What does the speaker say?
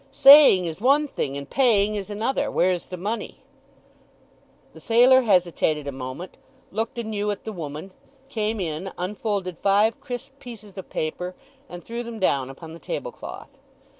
"Saying is one thing, and paying is another. Where's the money?" The sailor hesitated a moment, looked anew at the woman, came in, unfolded five crisp pieces of paper, and threw them down upon the tablecloth.